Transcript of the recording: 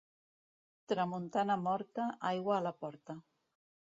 Tramuntana morta, aigua a la porta.